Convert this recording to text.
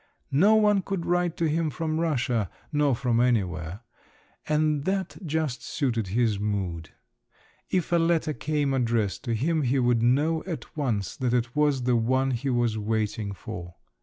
No one could write to him from Russia nor from anywhere; and that just suited his mood; if a letter came addressed to him he would know at once that it was the one he was waiting for.